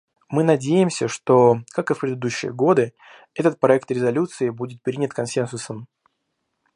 Мы надеемся, что, как и в предыдущие годы, этот проект резолюции будет принят консенсусом.